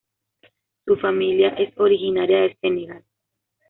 Su familia es originaria de Senegal.